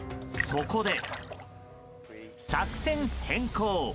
そこで、作戦変更。